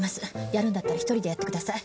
やるんだったら１人でやってください。